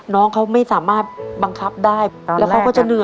น้องเขาไม่สามารถบังคับได้แล้วเขาก็จะเหนื่อย